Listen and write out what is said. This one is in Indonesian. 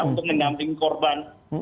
untuk menggamping korban